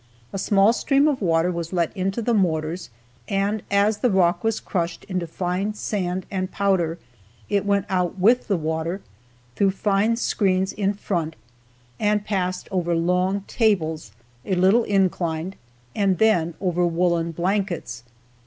A small stream of water was let into the mortars, and as the rock was crushed into fine sand and powder it went out with the water, through fine screens in front, and passed over long tables, a little inclined, and then over woolen blankets.